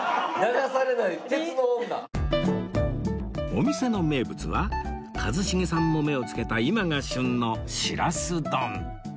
お店の名物は一茂さんも目をつけた今が旬のしらす丼